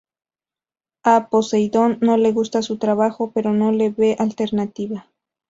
A Poseidón no le gusta su trabajo pero no le ve alternativa.